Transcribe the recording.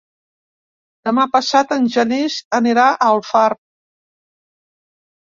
Demà passat en Genís anirà a Alfarb.